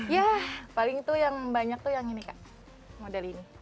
ya paling tuh yang banyak tuh yang ini kak model ini